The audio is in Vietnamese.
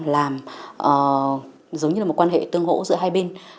làm giống như là một quan hệ tương hỗ giữa hai bên